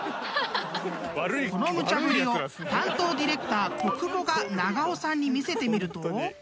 ［このむちゃ振りを担当ディレクター小久保が長尾さんに見せてみると］